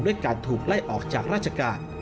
ด้วยการถูกไล่ออกจากราชการ